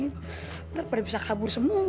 ntar pada bisa kabur semua